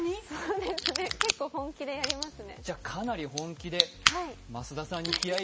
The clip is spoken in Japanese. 結構本気でやりますね。